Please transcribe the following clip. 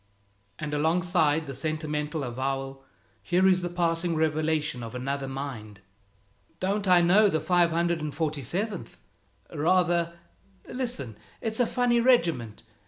And alongside this sentimental avowal, here is the passing revelation of another mind: "Don't I know the 547th! Rather! Listen, it's a funny regiment.